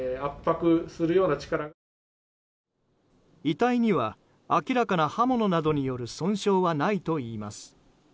遺体には明らかな刃物などによる損傷はないといいます。